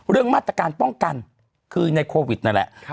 เรื่องมาตรการป้องกันคือในโควิดนั่นแหละ